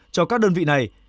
cho các đơn vị này